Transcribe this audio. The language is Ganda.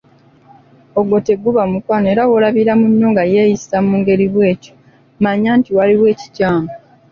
Ogwo teguba mukwano era w'olabira munno nga yeeyisa mu ngeri bw'etyo mannya nti waliwo ekikyamu.